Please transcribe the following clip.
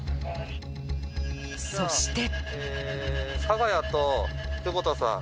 そして。